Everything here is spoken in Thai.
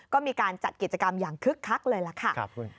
ก็มีการจัดกิจกรรมอย่างคึกคักเลยล่ะค่ะ